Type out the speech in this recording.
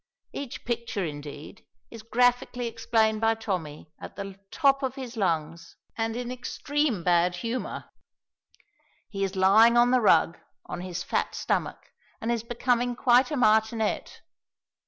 Each picture indeed, is graphically explained by Tommy at the top of his lungs, and in extreme bad humor. He is lying on the rug, on his fat stomach, and is becoming quite a martinet.